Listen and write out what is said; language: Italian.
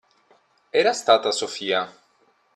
Era stata Sofia.